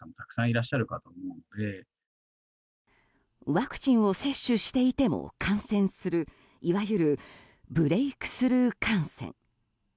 ワクチンを接種していても感染するいわゆるブレークスルー感染。